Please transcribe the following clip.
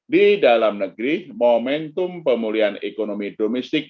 di dalam negeri momentum pemulihan ekonomi domestik